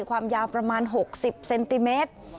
ความยาวประมาณ๖๐เซนติเมตร